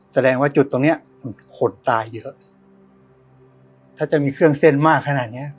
แสดงว่าจุดตรงเนี้ยมันคนตายเยอะถ้าจะมีเครื่องเส้นมากขนาดเนี้ย